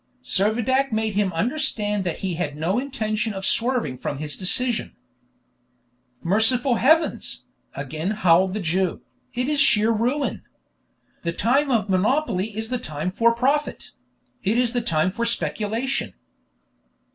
Servadac made him understand that he had no intention of swerving from his decision. "Merciful heavens!" again howled the Jew, "it is sheer ruin. The time of monopoly is the time for profit; it is the time for speculation."